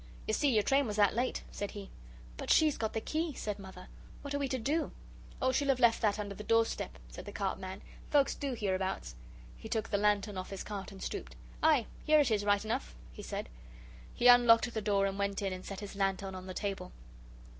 "You see your train was that late," said he. "But she's got the key," said Mother. "What are we to do?" "Oh, she'll have left that under the doorstep," said the cart man; "folks do hereabouts." He took the lantern off his cart and stooped. "Ay, here it is, right enough," he said. He unlocked the door and went in and set his lantern on the table.